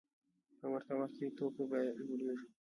په ورته وخت کې د توکو بیه لوړېږي